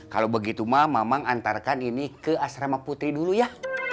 kalau begitu mak mak mang antarkan ini ke asrama putri dulu ya